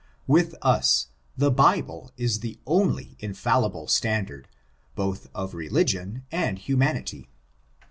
With us, the Bible is the only infallible standard, both of religion and humanity.